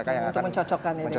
untuk mencocokkan ini